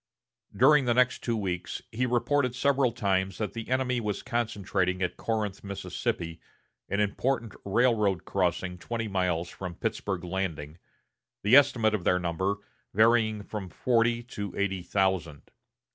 During the next two weeks he reported several times that the enemy was concentrating at Corinth, Mississippi, an important railroad crossing twenty miles from Pittsburg Landing, the estimate of their number varying from forty to eighty thousand.